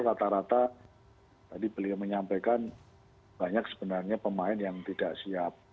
rata rata tadi beliau menyampaikan banyak sebenarnya pemain yang tidak siap